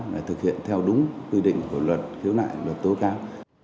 để thực hiện theo đúng quy định của luật khiếu nại luật tố cáo